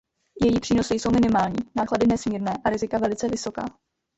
Její přínosy jsou minimální, náklady nesmírné a rizika velice vysoká.